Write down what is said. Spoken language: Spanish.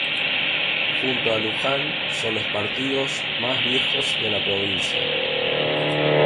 Junto a Luján, son los partidos más viejos de la provincia.